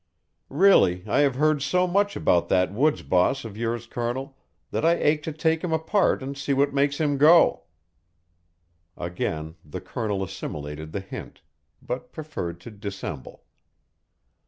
Really, I have heard so much about that woods boss of yours, Colonel, that I ache to take him apart and see what makes him go." Again the Colonel assimilated the hint, but preferred to dissemble.